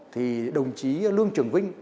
thì đồng chí lương trường vinh